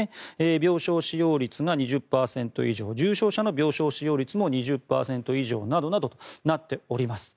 病床使用率が２０％以上重症者の病床使用率も２０％以上などなどとなっています。